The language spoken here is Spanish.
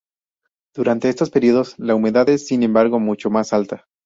Durante estos periodos, la humedad es sin embargo mucho más alta.